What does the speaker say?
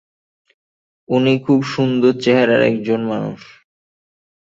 উনি খুব সুন্দর চেহারার একজন মানুষ।